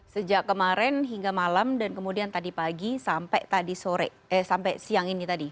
sejak kemarin hingga malam dan kemudian tadi pagi sampai siang ini tadi